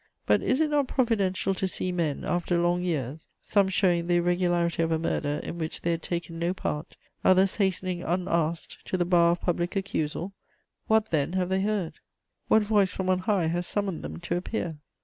But is it not providential to see men, after long years, some showing the irregularity of a murder in which they had taken no part, others hastening, unasked, to the bar of public accusal? What, then have they heard? What voice from on high has summoned them to appear?